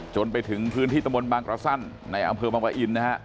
จนไปถึงพื้นที่ตะมนต์บางกระสั้นในอำเภอบางปะอินนะฮะ